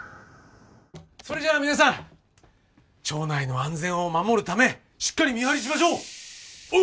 それじゃあ皆さん町内の安全を守るためしっかり見張りしましょう！